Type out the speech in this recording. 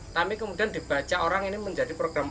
namun kemudian dibaca orang ini menjadi program ini